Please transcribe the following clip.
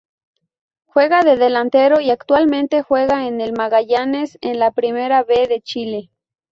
Juega de delantero y actualmente juega en Magallanes en la Primera B de Chile.